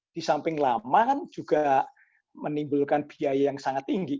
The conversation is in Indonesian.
di samping lama kan juga menimbulkan biaya yang sangat tinggi